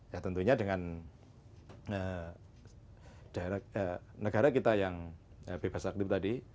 ya tentunya dengan negara kita yang bebas aktif tadi